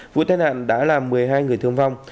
vụ tai nạn đã làm một mươi hai người thương vong